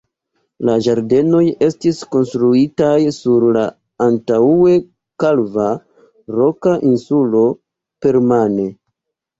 La ĝardenoj estis konstruitaj sur la antaŭe kalva roka insulo permane.